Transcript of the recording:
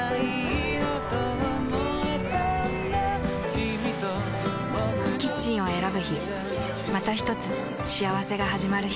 キミとボクの未来だキッチンを選ぶ日またひとつ幸せがはじまる日